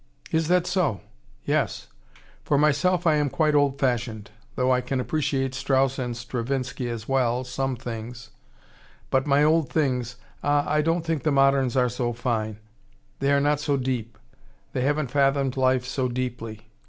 "Is that so! Yes. For myself I am quite old fashioned though I can appreciate Strauss and Stravinsky as well, some things. But my old things ah, I don't think the moderns are so fine. They are not so deep. They haven't fathomed life so deeply."